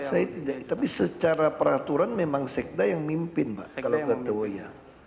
saya tidak tapi secara peraturan memang sekda yang mimpin pak kalau ketuanya